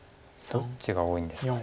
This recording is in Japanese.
どっちが多いんですかね